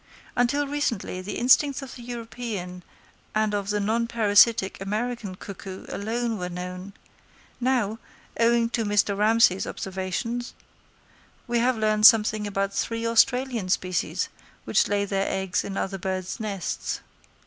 Until recently the instincts of the European and of the non parasitic American cuckoo alone were known; now, owing to Mr. Ramsay's observations, we have learned something about three Australian species, which lay their eggs in other birds' nests.